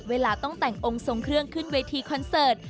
เวลาต้องแต่งองค์ทรงเครื่องขึ้นเวทีคอนเสิร์ต